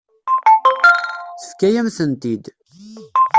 Tefka-yam-tent-id.